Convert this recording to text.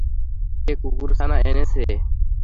কে কুকুরছানা এনেছে?